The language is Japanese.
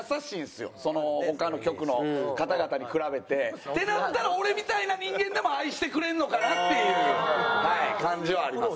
他の局の方々に比べて。ってなったら俺みたいな人間でも愛してくれるのかなっていう感じはあります。